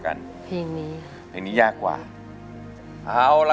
บ่กอนในลุงไม่ค่อยได้ร้อง